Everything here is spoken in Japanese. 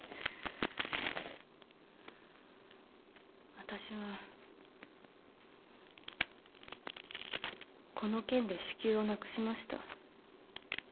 私はこの件で子宮をなくしました。